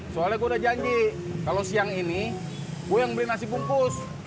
soalnya gua udah janji kalo siang ini gua yang beli nasi bungkus